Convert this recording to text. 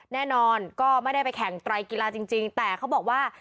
แน่นอนก็ไม่ได้ไปแข่งไตรกีฬาจริงแต่เขาบอกว่า